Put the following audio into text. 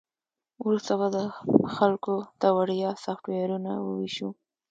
وروسته به خلکو ته وړیا سافټویرونه وویشو